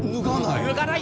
脱がない！